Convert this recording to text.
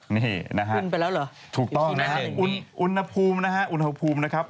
นี่นะฮะถูกต้องนะฮะอุณหภูมินะฮะอุณหภูมินะครับ